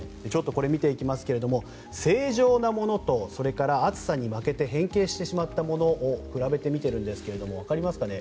これを見ていきますが正常なものと暑さに負けて変形してしまったものを比べてみているんですがわかりますかね？